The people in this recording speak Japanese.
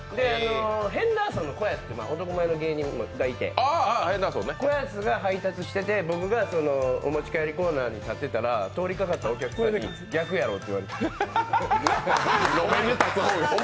ヘンダーソンの子安っていう男前の芸人がいて、子安が配達してて、俺がお店に立ってたら、通りかかったお客さんに「逆やろ」と言われた。